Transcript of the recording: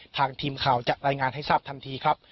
ทางทีมข่าวจะรายงานให้ทราบทันทีครับ